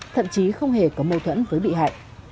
thậm chí không hề có mâu thuẫn với bị hại